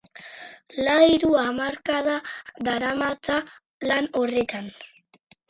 Ia hiru hamarkada daramatza lan horretan.